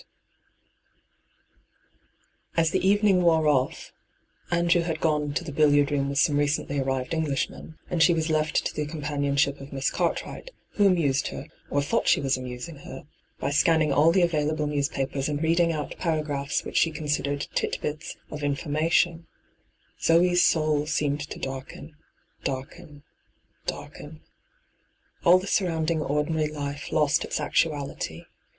hyGoogIc 222 ENTRAPPED As the evening wore oflF — Andrew had gone to the billiard room with some recently arrived Englishmen, and she was left to the companion ship of Miss Cartwright, who amused her, or thought she was amusing her, by scanning all the available newspapers and reading out para graphs which she * considered ' tit bits ' of in formation — Zoe's soul seemed to darken — darken — darken. All the surrounding ordi nary life lost its actuality.